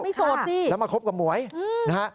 โสดสิแล้วมาคบกับหมวยนะฮะ